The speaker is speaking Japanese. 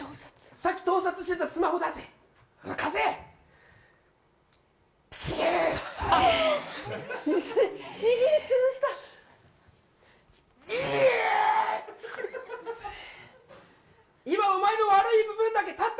さっき盗撮してたスマホ出せ、握りつぶした！